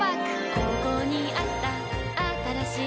ここにあったあったらしい